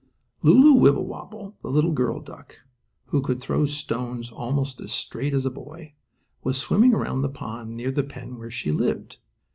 Lulu Wibblewobble, the little duck girl, who could throw stones almost as straight as a boy, was swimming around the pond near the pen where she lived.